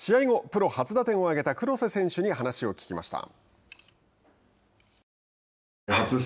プロ初打点を上げた黒瀬選手に話を聞きました。